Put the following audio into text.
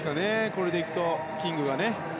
これでいくと、キングがね。